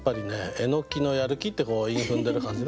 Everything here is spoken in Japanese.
「えのきのやる気」ってこう韻を踏んでる感じね。